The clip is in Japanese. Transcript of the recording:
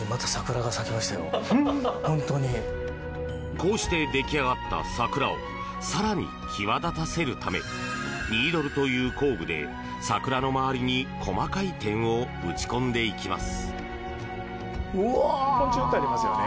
こうして出来上がった桜を更に際立たせるためニードルという工具で桜の周りに細かい点を打ち込んでいきます。